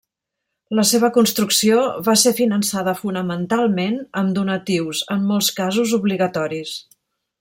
La seva construcció va ser finançada fonamentalment amb donatius, en molts casos obligatoris.